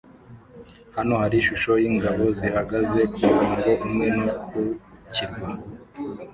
Hano hari ishusho yingabo zihagaze kumurongo umwe no ku kirwa